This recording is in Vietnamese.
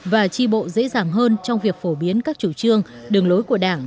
và tri bộ dễ dàng hơn trong việc phổ biến các chủ trương đường lối của đảng